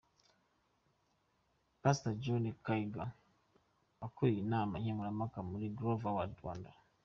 Pastor John Kaiga ukuriye akanama nkemurampaka muri Groove Awards Rwanda.